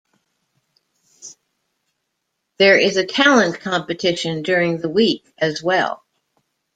There is a talent competition during the week as well.